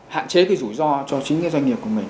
hạn chế cái rủi ro cho chính cái doanh nghiệp của mình